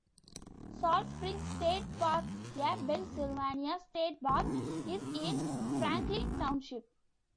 Salt Springs State Park, a Pennsylvania state park, is in Franklin Township.